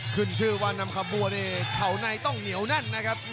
ขึ้นชื่อว่านำขบวนเข่าในต้องเหนียวแน่นนะครับ